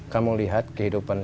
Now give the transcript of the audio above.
kamu lihat kehidupan